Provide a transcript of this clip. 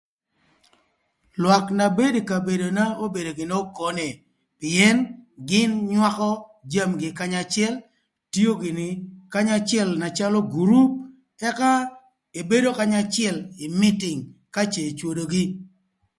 Lwak na bedo ï kabedona obedo gïnï okone pïën gïn nywakö jamigï kanya acël, tio gïnï kanya acël calö gurup, ëka ebedo kanya acël ï mïtïng ka cë ecwodogï.